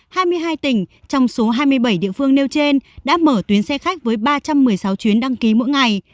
hai mươi hai tỉnh trong số hai mươi bảy địa phương nêu trên đã mở tuyến xe khách với ba trăm một mươi sáu chuyến đăng ký mỗi ngày